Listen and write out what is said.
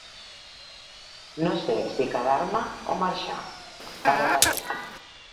No sé si quedar-me o marxar, pare paret.